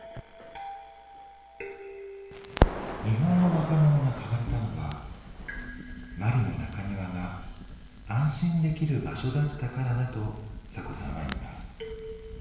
日本の若者が変われたのはマリの中庭が安心できる場所だったからだとサコさんは言います。